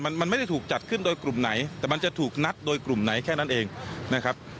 มันมันไม่ได้ถูกจัดขึ้นโดยกลุ่มไหนแต่มันจะถูกนัดโดยกลุ่มไหนแค่นั้นเองนะครับ